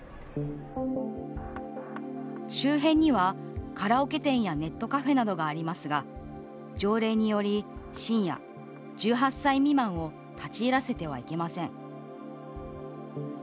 周辺にはカラオケ店やネットカフェなどがありますが条例により、深夜１８歳未満を立ち入らせてはいけません。